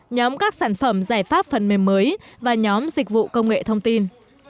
nhóm các sản phẩm giải pháp phần mềm mới và nhóm dịch vụ công nghệ thông tin